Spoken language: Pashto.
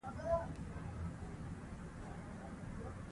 خوب یې واوره.